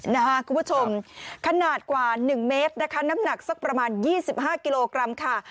นะคะคุณผู้ชมคนหนาดกว่าหนึ่งเมตรนะคะน้ำหนักสักประมาณยี่สิบห้ากิโลกรัมค่ะ